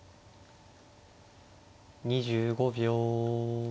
２５秒。